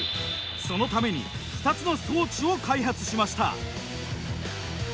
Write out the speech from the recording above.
そのために２つの装置を開発しました。